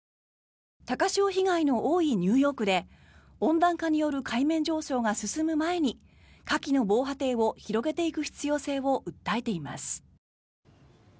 高潮被害の多いニューヨークで温暖化による海面上昇が進む前にカキの防波堤を広げていく必要性を訴えています。